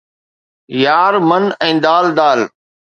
يار من ۽ دال دال